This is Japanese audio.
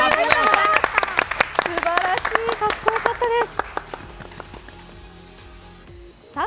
すばらしいかっこよかったです。